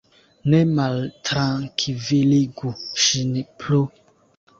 Ne maltrankviligu ŝin plu!